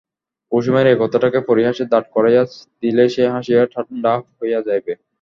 কুসুমের এই কথাটাকে পরিহাসে দাঁড় করাইয়া দিলেই সে হাসিয়া ঠাণ্ডা হইয়া যাইবে।